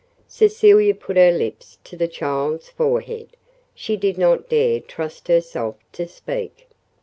Cecilia put her lips to the child's forehead. She did not dare trust herself to speak.